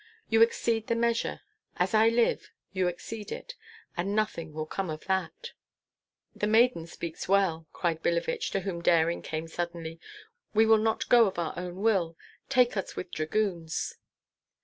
You exceed the measure, as I live, you exceed it, and nothing will come of that." "The maiden speaks well," cried Billevich, to whom daring came suddenly; "we will not go of our own will. Take us with dragoons."